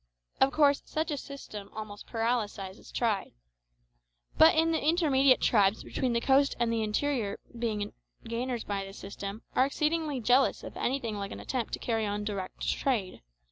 Of course, such a system almost paralyses trade. But the intermediate tribes between the coast and the interior being the gainers by this system, are exceedingly jealous of anything like an attempt to carry on direct trade.